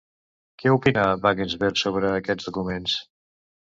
Què opina Wagensberg sobre aquests documents?